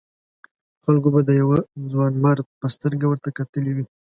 خلکو به د یوه ځوانمرد په سترګه ورته کتلي وي.